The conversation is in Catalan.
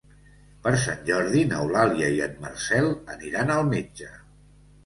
Per Sant Jordi n'Eulàlia i en Marcel aniran al metge.